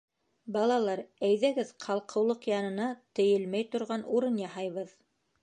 Балалар, әйҙәгеҙ ҡалҡыулыҡ янына тейелмәй торған урын яһайбыҙ.